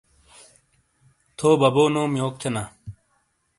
تھو بَبو نوم یوک تھینا؟